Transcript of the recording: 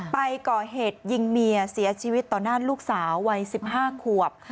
ไปก่อเหตุยิงเมียเสียชีวิตต่อหน้าลูกสาววัย๑๕ขวบ